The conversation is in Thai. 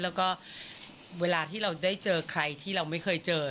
แล้วก็เวลาที่เราได้เจอใครที่เราไม่เคยเจอ